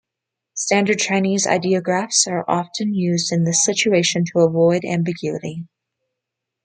Standard Chinese ideographs are often used in this situation to avoid ambiguity.